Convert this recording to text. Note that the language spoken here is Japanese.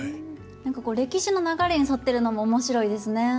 何か歴史の流れに沿ってるのも面白いですね。